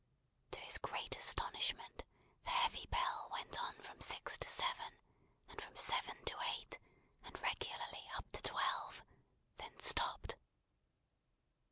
To his great astonishment the heavy bell went on from six to seven, and from seven to eight, and regularly up to twelve; then stopped.